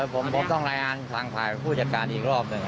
พอบอกกันดี